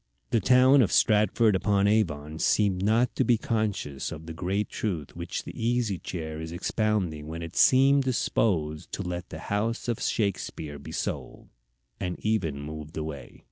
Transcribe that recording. The town of Stratford upon Avon seemed not to be conscious of the great truth which the Easy Chair is expounding when it seemed disposed to let the house of Shakespeare be sold, and even moved away.